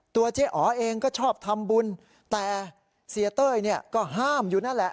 เจ๊อ๋อเองก็ชอบทำบุญแต่เสียเต้ยเนี่ยก็ห้ามอยู่นั่นแหละ